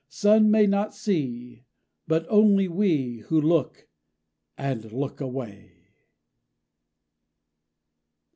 Sun may not see: but only we, Who look; and look away.